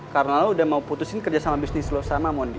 karena lo udah mau putusin kerjasama bisnis lo sama mondi